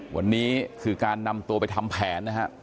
วันนี้คือการนำตัวไปทำแผนนะฮะ